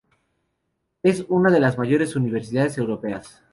Es una de las mayores universidades europeas.